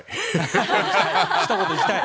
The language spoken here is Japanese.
ひと言、行きたい。